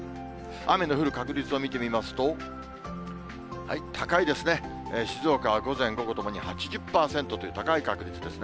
雨の降る確率を見てみますと、高いですね、静岡は午前、午後ともに８０％という高い確率ですね。